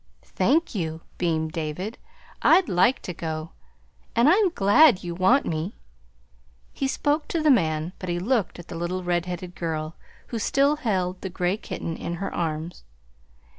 "Thank you," beamed David. "I'd like to go, and I'm glad you want me!" He spoke to the man, but he looked at the little red headed girl, who still held the gray kitten in her arms.